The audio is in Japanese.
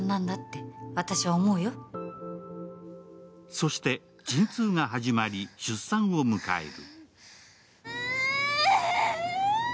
そして陣痛が始まり、出産を迎える。